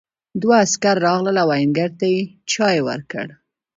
دوه عسکر راغلل او آهنګر ته یې چای ورکړ.